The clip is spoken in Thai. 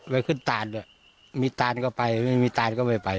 ไปขึ้นตานด้วยมีตานก็ไปไม่มีตานก็ไม่ไป